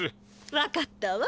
分かったわ。